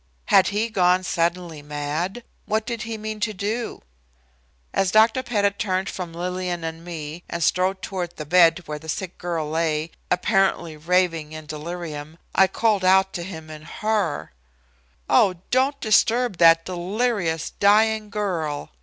Had he gone suddenly mad? What did he mean to do? As Dr. Pettit turned from Lillian and me, and strode toward the bed where the sick girl lay, apparently raving in delirium, I called out to him in horror. "Oh, don't disturb that delirious, dying girl!"